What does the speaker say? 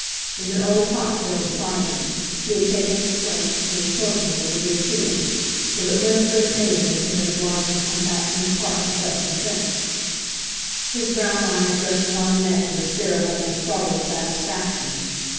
With an early cocktail beside him, he had taken a "squint" from the smoking room of the Iseeum, so that Winifred and Imogen had been obliged to come back from the Park to fetch him thence. His brown eyes rested on Annette with a stare of almost startled satisfaction.